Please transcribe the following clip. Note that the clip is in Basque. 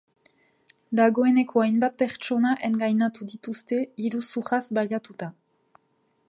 Dagoeneko hainbat pertsona engainatu dituzte iruzurraz baliatuta.